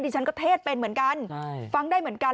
ฉันก็เทศเป็นเหมือนกันฟังได้เหมือนกัน